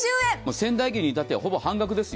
仙台牛に至ってはほぼ半額ですよ。